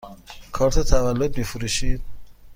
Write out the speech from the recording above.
کارت تولد می فروشید؟